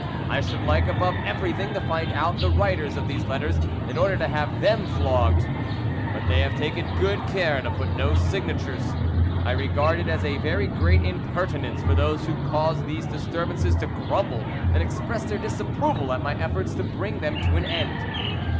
I should like above everything to find out the writers of these letters, in order to have them flogged; but they have taken good care to put no signatures. I regard it as a very great impertinence for those who caused these disturbances to grumble and express their disapproval at my efforts to bring them to an end."